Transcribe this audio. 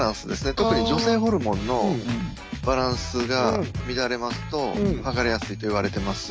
特に女性ホルモンのバランスが乱れますと剥がれやすいといわれてます。